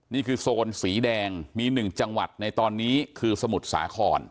นี่คือโซนสีแดงมี๑จังหวัดในตอนนี้คือสมุทรสาคร